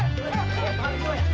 eh kek apa